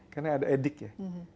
karena ada adik ya